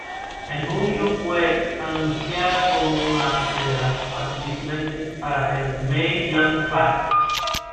En julio, fue anunciada como una de las participantes para el Mae Young Classic.